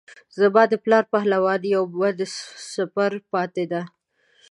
زما د پلار د پهلوانۍ یو من سپر پاته دی.